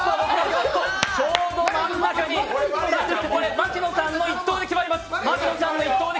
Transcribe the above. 牧野さんの一投で決まります。